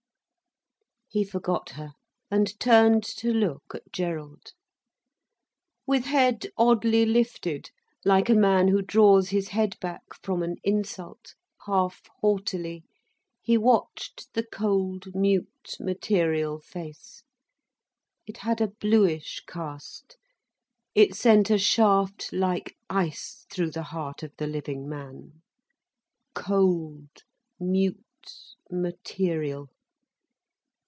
He forgot her, and turned to look at Gerald. With head oddly lifted, like a man who draws his head back from an insult, half haughtily, he watched the cold, mute, material face. It had a bluish cast. It sent a shaft like ice through the heart of the living man. Cold, mute, material!